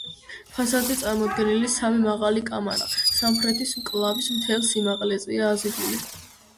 ფასადზე წარმოდგენილი სამი მაღალი კამარა სამხრეთის მკლავის მთელ სიმაღლეზეა აზიდული.